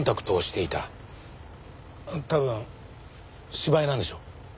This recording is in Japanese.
多分芝居なんでしょ？